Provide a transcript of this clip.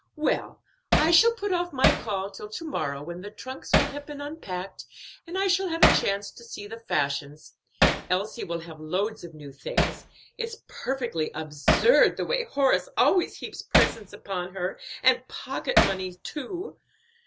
"Well, I shall put off my call till to morrow, when the trunks will have been unpacked, and I shall have a chance to see the fashions. Elsie will have loads of new things; it's perfectly absurd the way Horace heaps presents upon her, and pocket money too.